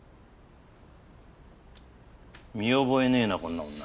見覚えねえなこんな女。